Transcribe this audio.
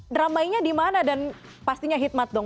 drama nya di mana dan pastinya hikmat dong